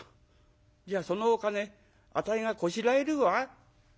「じゃあそのお金あたいがこしらえるわ」。